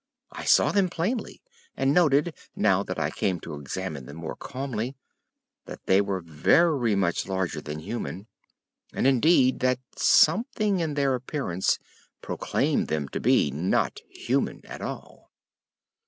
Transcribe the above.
I saw them plainly and noted, now I came to examine them more calmly, that they were very much larger than human, and indeed that something in their appearance proclaimed them to be not human at all.